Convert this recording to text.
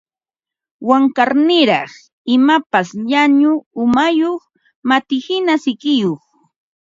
Wankarniraq, imapas llañu umayuq matihina sikiyuq